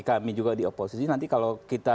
kami juga di oposisi nanti kalau kita